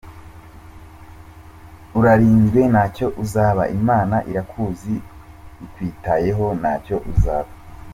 Urarinzwe ntacyo uzaba Imana irakuzi ikwitayeho ntacyo uzaba.